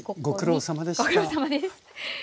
ご苦労さまです。